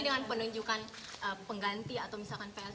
dengan penunjukan pengganti atau misalkan plt